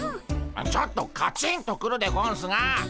ちょっとカチンとくるでゴンスが。